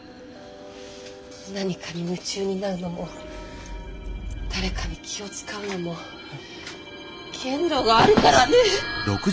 何かに夢中になるのも誰かに気を遣うのも限度があるからね。